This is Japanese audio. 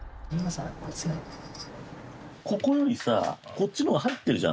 ここよりさこっちの方が入ってるじゃない。